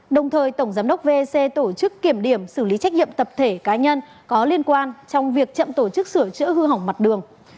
đồng thời tổng giám đốc vec tổ chức kiểm điểm xử lý trách nhiệm tập thể cá nhân có liên quan trong việc chậm tổ chức sửa chữa hư hỏng mặt đường